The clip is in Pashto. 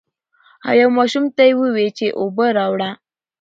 او يو ماشوم ته يې ووې چې اوبۀ راوړه ـ